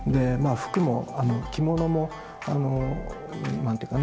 服も着物もあの何ていうかな